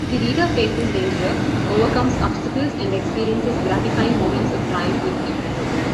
The reader faces danger, overcomes obstacles, and experiences gratifying moments of triumph with him.